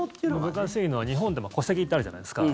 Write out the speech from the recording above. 難しいのは、日本って戸籍ってあるじゃないですか。